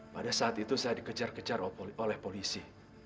pada saat itu saya dikejar kejar oleh polisi